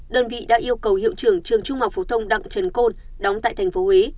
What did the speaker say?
đơn vị đã yêu cầu hiệu trưởng trường trung học phổ thông đặng trần côn đóng tại tp huế